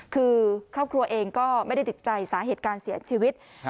คือครอบครัวเองก็ไม่ได้ติดใจสาเหตุการเสียชีวิต